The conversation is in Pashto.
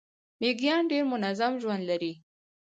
میږیان ډیر منظم ژوند لري